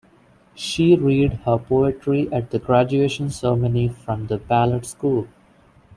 She read her poetry at the graduation ceremony from the ballet school.